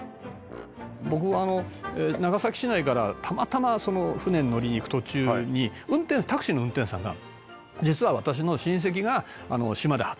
僕長崎市内からたまたま船に乗りに行く途中にタクシーの運転手さんが。